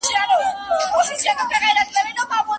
پوهېږم چې زموږه محبت له مينې ژاړي